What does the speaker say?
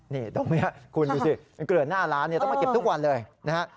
นี่ตรงนี้คุณดูสิเกลือหน้าร้านต้องมาเก็บทุกวันเลยนะฮะ